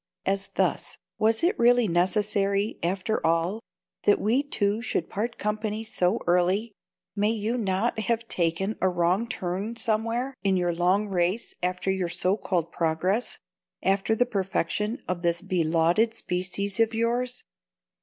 As thus: "Was it really necessary, after all, that we two should part company so early? May you not have taken a wrong turning somewhere, in your long race after your so called progress, after the perfection of this be lauded species of yours?